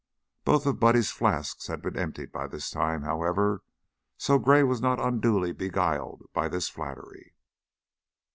Both of Buddy's flasks had been emptied by this time, however, so Gray was not unduly beguiled by this flattery.